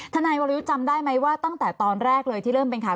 ทนายวรยุทธ์จำได้ไหมว่าตั้งแต่ตอนแรกเลยที่เริ่มเป็นข่าว